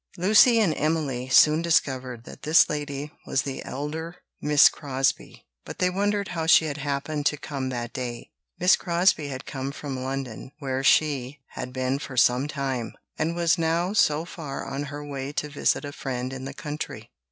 Lucy and Emily soon discovered that this lady was the elder Miss Crosbie; but they wondered how she had happened to come that day. Miss Crosbie had come from London, where she had been for some time, and was now so far on her way to visit a friend in the country.